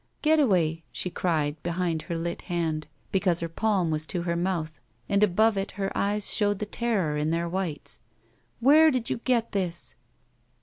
"Getaway," she cried behind her lit hand, because her palm was to her mouth and above it her eyes showing the terror in their whites, "where did you get this?"